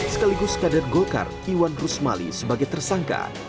sekaligus kader golkar iwan rusmali sebagai tersangka